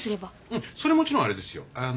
うんそれはもちろんあれですよ。